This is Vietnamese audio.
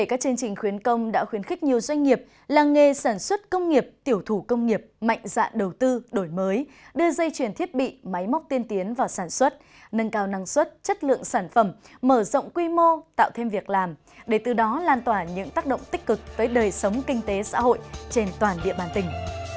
các chương trình khuyến công đã khuyến khích nhiều doanh nghiệp làng nghề sản xuất công nghiệp tiểu thủ công nghiệp mạnh dạng đầu tư đổi mới đưa dây chuyển thiết bị máy móc tiên tiến vào sản xuất nâng cao năng suất chất lượng sản phẩm mở rộng quy mô tạo thêm việc làm để từ đó lan tỏa những tác động tích cực tới đời sống kinh tế xã hội trên toàn địa bàn tỉnh